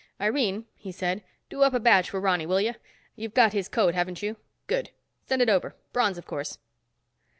"Irene," he said, "do up a badge for Ronny, will you? You've got his code, haven't you? Good. Send it over. Bronze, of course."